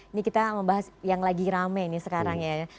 ini kita membahas yang lagi rame ini sekarang ya